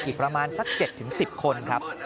อีกประมาณสัก๗๑๐คนครับ